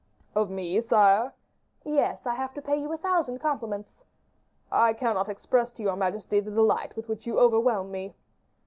"Of me, sire?" "Yes, I have to pay you a thousand compliments." "I cannot express to your majesty the delight with which you overwhelm me."